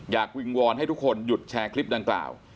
วิงวอนให้ทุกคนหยุดแชร์คลิปดังกล่าว